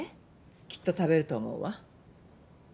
きっと食べると思うわ。